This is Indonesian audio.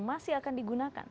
masih akan digunakan